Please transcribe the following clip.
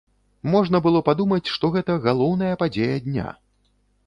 Можна было падумаць, што гэта галоўная падзея дня.